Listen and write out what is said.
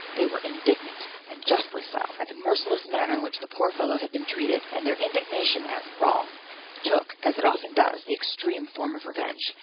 They were indignant, and justly so, at the merciless manner in which the poor fellow had been treated; and their indignation at wrong, took (as it so often does) the extreme form of revenge.